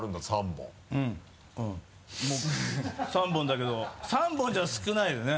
もう３本だけど３本じゃ少ないよね。